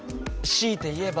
しいて言えば？